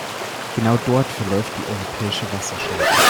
Genau dort verläuft die Europäische Wasserscheide.